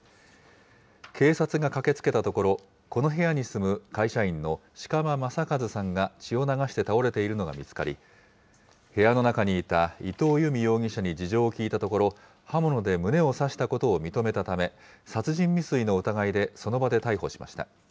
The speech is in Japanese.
警察が駆けつけたところ、この部屋に住む会社員の志鎌正一さんが血を流して倒れているのが見つかり、部屋の中にいた伊藤由美容疑者に事情を聴いたところ、刃物で胸を刺したことを認めたため、殺人未遂の疑いでその場で逮捕しました。